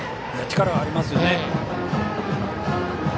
力はありますね。